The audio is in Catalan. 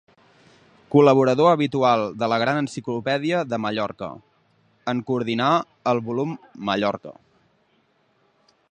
Col·laborador habitual de la Gran Enciclopèdia de Mallorca, en coordinà el volum Mallorca.